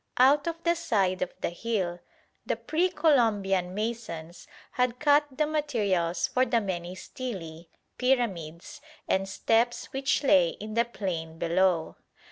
Out of the side of the hill the pre Columbian masons had cut the materials for the many stelae, pyramids, and steps which lay in the plain below.